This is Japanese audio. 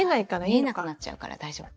見えなくなっちゃうから大丈夫。